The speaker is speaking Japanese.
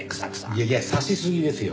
いやいや刺しすぎですよ。